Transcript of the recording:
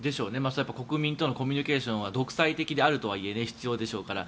やっぱり国民とのコミュニケーションは独裁的であるとはいえ必要でしょうからね。